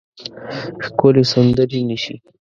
ښکلې سندرې نیسي